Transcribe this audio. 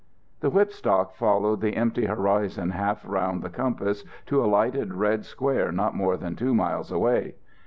The whip stock followed the empty horizon half round the compass to a lighted red square not more than two miles away.